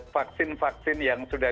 vaksin vaksin yang sudah